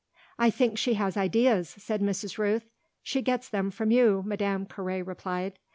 "I think she has ideas," said Mrs. Rooth. "She gets them from you," Madame Carré replied.